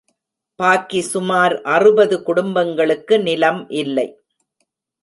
பாக்கி சுமார் அறுபது குடும்பங்களுக்கு நிலம் இல்லை.